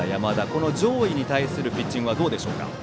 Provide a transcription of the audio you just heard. この上位に対するピッチングはどうでしょうか。